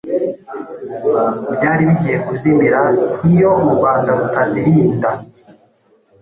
byari bigiye kuzimira iyo u Rwanda rutazirinda